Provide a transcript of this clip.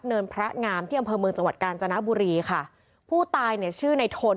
พระงามที่อำเภอเมืองจังหวัดกาญจนบุรีค่ะผู้ตายเนี่ยชื่อในทน